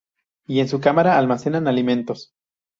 Y en su cámara almacenan alimentos.